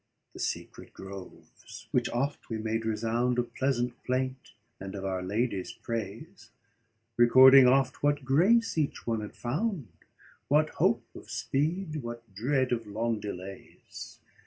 The secret groves, which oft we made resoundOf pleasant plaint, and of our ladies' praise; Recording oft what grace each one had found, What hope of speed, what dread of long delays.